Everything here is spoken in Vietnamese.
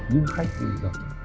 nhưng khách thì gặp